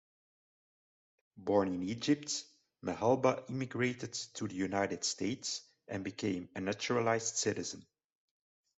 Born in Egypt, Mehalba emigrated to the United States and became a naturalized citizen.